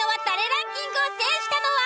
ランキング制したのは。